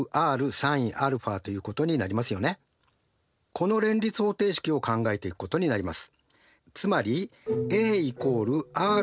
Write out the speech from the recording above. この連立方程式を考えていくことになります。